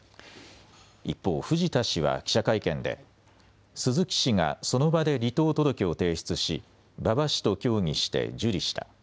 一方、藤田氏は記者会見で鈴木氏がその場で離党届を提出し馬場氏と協議して受理した。